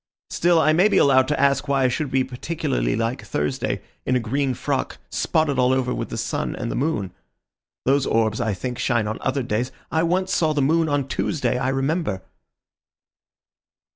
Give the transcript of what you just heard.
Still, I may be allowed to ask why I should be particularly like Thursday in a green frock spotted all over with the sun and moon. Those orbs, I think, shine on other days. I once saw the moon on Tuesday, I remember."